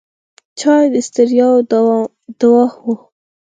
چای د ستړیاوو دوا ده.